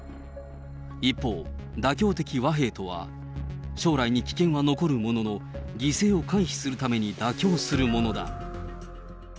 一方、妥協的和平とは、将来に危険は残るものの、犠牲を回避するために妥協するものだ。